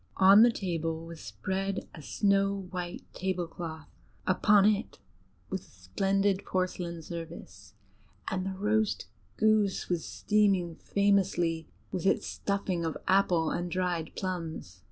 On the table was spread a snow white tablecloth; upon it was a splendid porcelain service, and the roast goose was steaming famously with its stuffing of apple and dried plums.